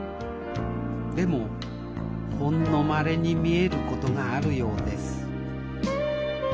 でもほんのまれに見えることがあるようです